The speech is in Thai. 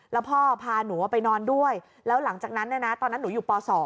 แล้วพ่อพาหนูไปนอนด้วยแล้วหลังจากนั้นตอนนั้นหนูอยู่ป๒